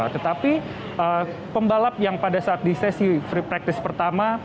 tetapi pembalap yang pada saat di sesi free practice pertama